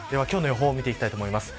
今日の予報を見ていきたいと思います。